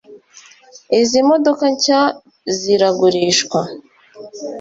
Izi modoka nshya ziragurishwa